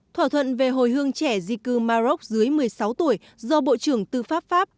thỏa thuận về hồi hương trẻ di cư maroc dưới một mươi sáu tuổi do bộ trưởng tư pháp pháp